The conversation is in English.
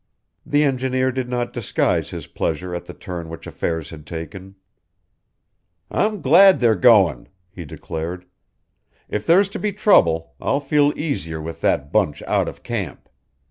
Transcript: The engineer did not disguise his pleasure at the turn which affairs had taken. "I'm glad they're going," he declared. "If there's to be trouble I'll feel easier with that bunch out of camp.